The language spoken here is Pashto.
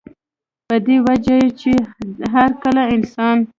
پۀ دې وجه چې هر کله انسان